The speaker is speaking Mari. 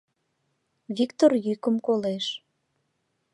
Виктор йӱкым колеш.